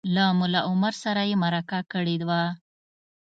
له ملا عمر سره یې مرکه کړې وه